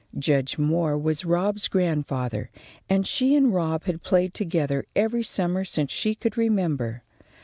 Judge Moore was Rob's grandfather, and she and Rob had played together every summer since she could remember.